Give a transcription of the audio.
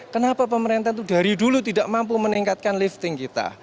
kenapa pemerintah itu dari dulu tidak mampu meningkatkan lifting kita